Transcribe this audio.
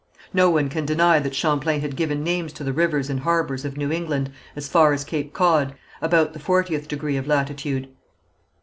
No one can deny that Champlain had given names to the rivers and harbours of New England as far as Cape Cod, about the fortieth degree of latitude.